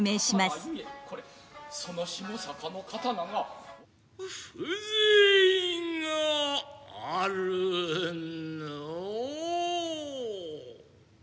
これその下坂の刀が風情があるなあ。